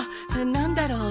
何だろう？